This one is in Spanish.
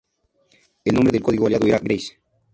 El nombre en código aliado era "Grace".